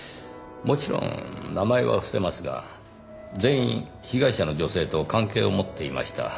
もちろん名前は伏せますが全員被害者の女性と関係を持っていました。